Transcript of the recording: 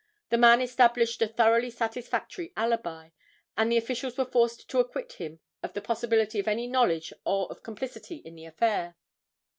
The man established a thoroughly satisfactory alibi, and the officials were forced to acquit him of the possibility of any knowledge or of complicity in the affair.